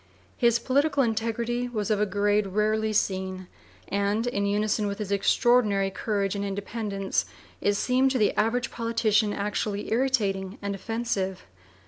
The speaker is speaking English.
His political integrity was of a grade rarely seen; and, in unison with his extraordinary courage and independence, it seemed to the average politician actually irritating and offensive.